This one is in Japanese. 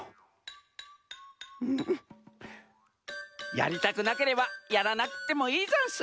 やりたくなければやらなくてもいいざんす。